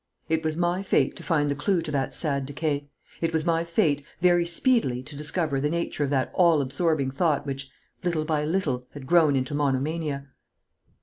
It was my fate to find the clue to that sad decay; it was my fate very speedily to discover the nature of that all absorbing thought which, little by little, had grown into monomania."